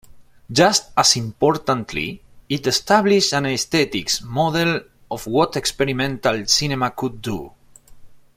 Just as importantly, it established an aesthetic model of what experimental cinema could do.